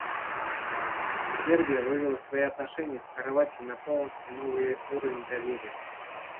Сербия вывела свои отношения с Хорватией на полностью новый уровень доверия.